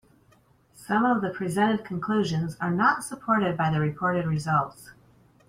Some of the presented conclusions are not supported by the reported results.